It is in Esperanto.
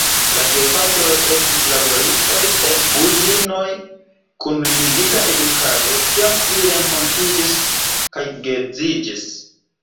La gepatroj estis laboristoj en uzinoj kun limigita edukado, kiam ili renkontiĝis kaj geedziĝis.